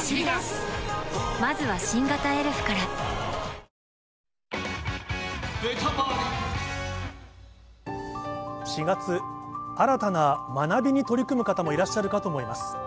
最高の渇きにＤＲＹ４月、新たな学びに取り組む方もいらっしゃるかと思います。